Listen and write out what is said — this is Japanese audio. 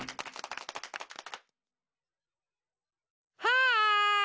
はい！